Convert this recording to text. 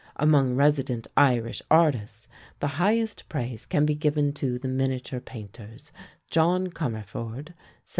Among resident Irish artists, the highest praise can be given to the miniature painters, John Comerford (1770?